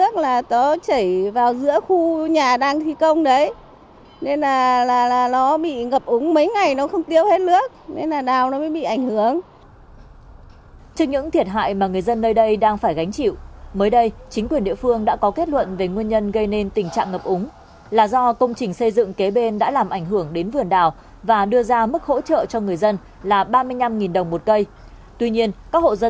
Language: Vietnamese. các bạn hãy đăng ký kênh để ủng hộ kênh của mình nhé